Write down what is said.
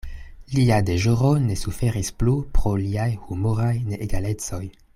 Lia deĵoro ne suferis plu pro liaj humoraj neegalecoj.